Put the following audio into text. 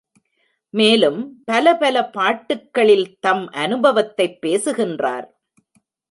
மேலும் பல பல பாட்டுக்களில் தம் அநுபவத்தைப் பேசுகின்றார்.